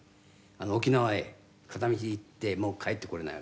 沖縄へ片道行ってもう帰ってこれないわけだから」